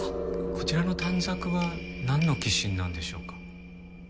こちらの短冊はなんの寄進なんでしょうか？